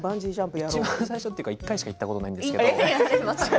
いちばん最初というか１回しかやったことがないんですけど。